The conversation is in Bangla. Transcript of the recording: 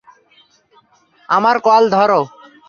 আমার কল ধরো।